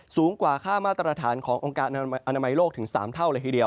สูงกว่าค่ามาตรฐานขององค์การอนามัยโลกถึง๓เท่าเลยทีเดียว